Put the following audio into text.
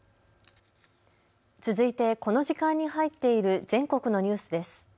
続いてこの時間に入っている全国のニュースです。